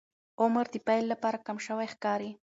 عمر د پیل لپاره کم شوی ښکاري.